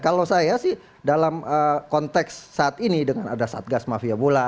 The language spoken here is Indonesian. kalau saya sih dalam konteks saat ini dengan ada satgas mafia bola